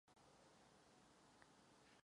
Poměrně brzo bylo vše opraveno.